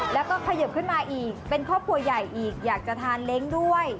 แล้วก็ขยิบขึ้นมาอีกเป็นครอบครัวใหญ่อีกอยากจะทานเล้งด้วย